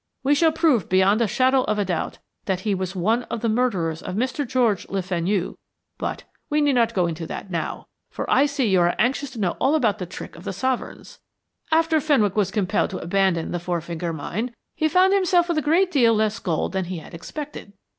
We shall prove beyond the shadow of a doubt that he was one of the murderers of Mr. George Le Fenu but we need not go into that now, for I see you are anxious to know all about the trick of the sovereigns. After Fenwick was compelled to abandon the Four Finger Mine, he found himself with a great deal less gold than he had expected.